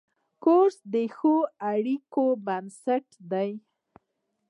کورس د ښو اړیکو بنسټ دی.